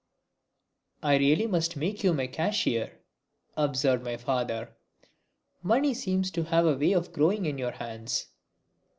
"I really must make you my cashier," observed my father. "Money seems to have a way of growing in your hands!"